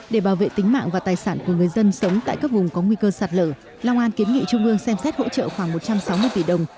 để bảo vệ tính mạng và tài sản của người dân sống tại các vùng có nguy cơ sạt lở long an kiến nghị trung ương xem xét hỗ trợ khoảng một trăm sáu mươi tỷ đồng